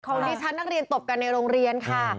ดิฉันนักเรียนตบกันในโรงเรียนค่ะ